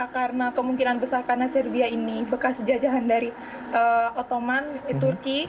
karena kemungkinan besar karena serbia ini bekas jajahan dari ottoman dari turki